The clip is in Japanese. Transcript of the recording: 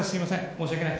申し訳ない。